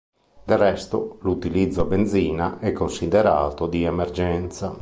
Del resto l'utilizzo a benzina è considerato di emergenza.